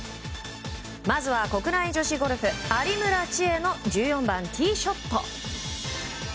まずは国内女子ゴルフ有村智恵の１４番、ティーショット。